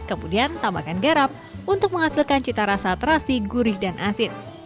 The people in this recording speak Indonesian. kemudian tambahkan garam untuk menghasilkan cita rasa terasi gurih dan asin